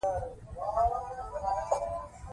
د مراد روح او روان سرګردانه و.